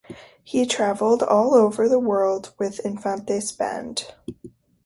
He traveled all over the world with Infantes band.